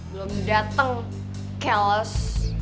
belum dateng keles